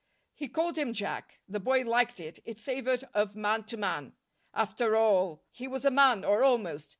He called him "Jack." The boy liked it. It savored of man to man. After all, he was a man, or almost.